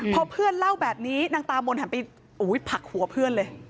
พอเพื่อนเล่าแบบนี้นางตามนหันไปผลักหัวเพื่อนเลย